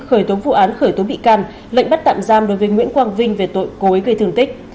khởi tố vụ án khởi tố bị can lệnh bắt tạm giam đối với nguyễn quang vinh về tội cố ý gây thương tích